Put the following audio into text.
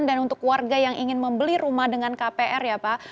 jadi yang pertama yang sudah mengambil kpr ya pak